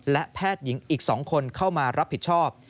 และแพทย์หญิงอีก๒คนเข้ามารับผิดชอบ